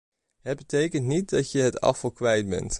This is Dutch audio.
Het betekent niet dat je het afval kwijt bent.